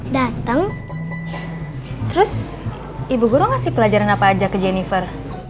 dateng terus ibu guru ngasih pelajaran apa aja ke jennifer